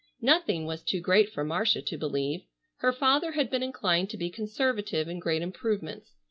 Nothing was too great for Marcia to believe. Her father had been inclined to be conservative in great improvements.